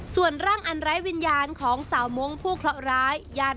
ส่วนร่างอันไร้วิญญาณของสาวม้วงผู้เคราะห์ร้าย